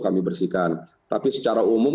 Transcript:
kami bersihkan tapi secara umum